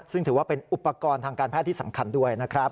ซึ่งถือว่าเป็นอุปกรณ์ทางการแพทย์ที่สำคัญด้วยนะครับ